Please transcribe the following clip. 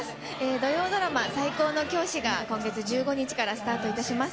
土曜ドラマ、最高の教師が今月１５日からスタートいたします。